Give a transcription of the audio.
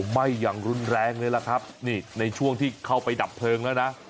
ไหม้อย่างรุนแรงเลยล่ะครับนี่ในช่วงที่เข้าไปดับเพลิงแล้วนะ